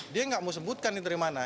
dia nggak mau sebutkan ini dari mana